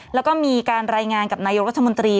แล้วก็มีการรายงานกับนายกรัฐมนตรี